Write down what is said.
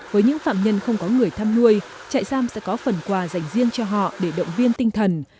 với những phạm nhân không có người thăm nuôi trại giam sẽ có phần quà dành riêng cho họ để động viên tinh thần